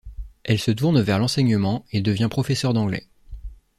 Elle se tourne vers l'enseignement et devient professeur d'anglais.